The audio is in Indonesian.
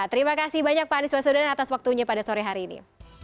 terima kasih banyak pak anies baswedan atas waktunya pada sore hari ini